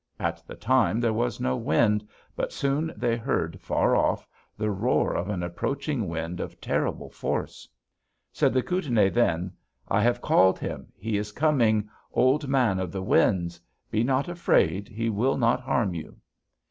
At the time there was no wind, but soon they heard, far off, the roar of an approaching wind of terrible force. Said the Kootenai then: 'I have called him, he is coming, Old Man of the Winds: be not afraid; he will not harm you.'